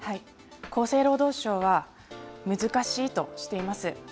厚生労働省は、難しいとしています。